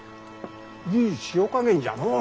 いい塩加減じゃのう！